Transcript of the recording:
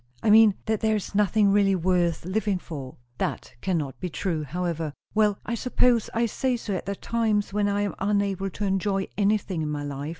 "I mean, that there is nothing really worth living for." "That cannot be true, however." "Well, I suppose I say so at the times when I am unable to enjoy anything in my life.